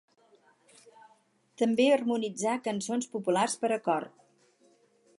També harmonitzà cançons populars per a cor.